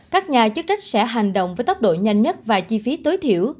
các nhà chức trách sẽ hành động với tốc độ nhanh nhất và chi phí tối thiểu